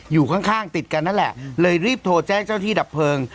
อยู่ข้างติดกันนั่นแหละเลยรีบโทรแจ้งเจ้าที่ดับเพลิง